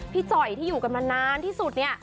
พี่จ๋อยที่อยู่กันมานานที่สุด